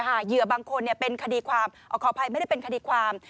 เหยื่อบางคนเป็นคดีความขออภัยไม่ได้เป็นคดีความ